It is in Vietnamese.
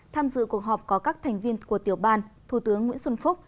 tham dự cuộc họp có các thành viên của tiểu ban thủ tướng nguyễn xuân phúc